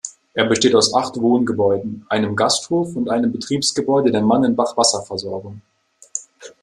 Er besteht aus acht Wohngebäuden, einem Gasthof und einem Betriebsgebäude der Mannenbach-Wasserversorgung.